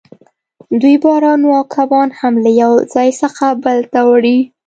دوی بارونه او کبان هم له یو ځای څخه بل ته وړي